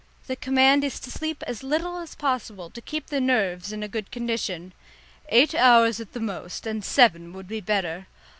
The command is to sleep as little as possible to keep the nerves in a good condition "eight hours at the most, and seven would be better."